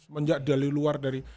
menjak dari luar dari